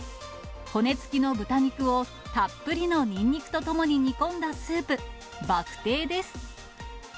骨付きの豚肉をたっぷりのニンニクとともに煮込んだスープ、バクテーです。